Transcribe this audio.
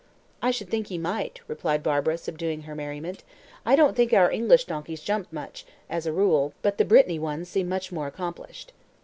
"I should think he might," replied Barbara, subduing her merriment. "I don't think our English donkeys jump much, as a rule; but the Brittany ones seem much more accomplished."